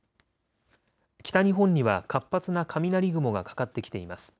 北日本には活発な雷雲がかかってきています。